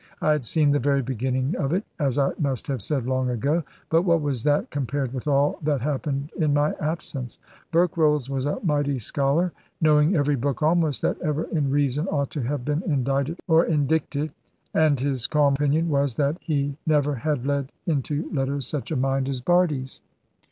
I had seen the very beginning of it, as I must have said long ago, but what was that compared with all that happened in my absence? Berkrolles was a mighty scholar (knowing every book almost that ever in reason ought to have been indited or indicted), and his calm opinion was, that "he never had led into letters such a mind as Bardie's!"